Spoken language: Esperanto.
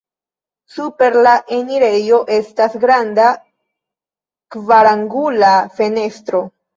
Super la enirejo estas granda kvarangula fenestro.